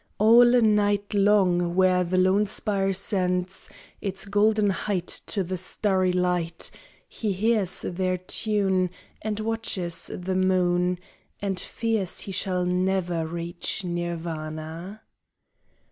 All night long where the lone spire sends Its golden height to the starry light He hears their tune And watches the moon And fears he shall never reach Nirvana.